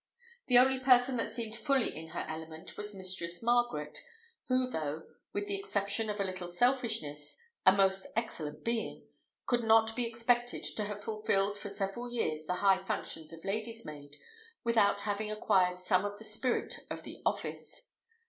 The only person that seemed fully in her element was Mistress Margaret, who, though, with the exception of a little selfishness, a most excellent being, could not be expected to have fulfilled for several years the high functions of lady's maid without having acquired some of the spirit of the office.